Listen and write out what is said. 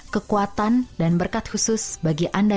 kekuatan dan berkat khusus bagi anda